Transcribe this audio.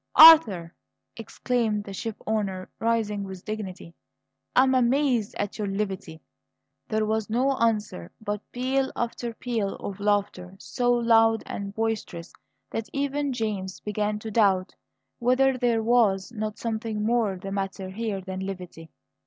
"Arthur!" exclaimed the shipowner, rising with dignity, "I am amazed at your levity!" There was no answer but peal after peal of laughter, so loud and boisterous that even James began to doubt whether there was not something more the matter here than levity.